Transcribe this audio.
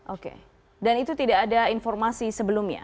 oke dan itu tidak ada informasi sebelumnya